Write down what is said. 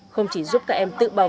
không chỉ giúp các em tự bỏ